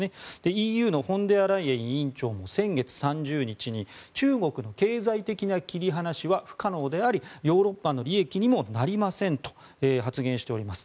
ＥＵのフォンデアライエン委員長も先月３０日に中国の経済的な切り離しは不可能でありヨーロッパの利益にもなりませんと発言しております。